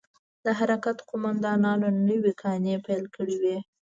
د حرکت قومندانانو نوې کانې پيل کړې وې.